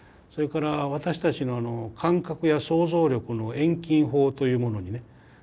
それから私たちの感覚や想像力の遠近法というものにね